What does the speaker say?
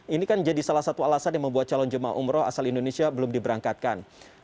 ini kan jadi salah satu alasan yang membuat calon jemaah umroh asal indonesia belum diberangkatkan